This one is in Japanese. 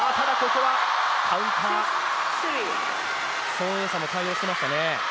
孫エイ莎も対応してましたね。